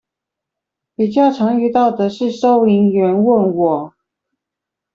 比較常遇到的是收銀員問我